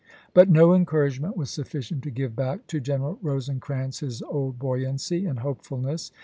But no encouragement was sufficient to give back to General Rosecrans his old buoyancy and hopefulness.